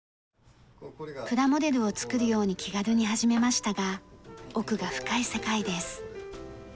プラモデルを作るように気軽に始めましたが奥が深い世界です。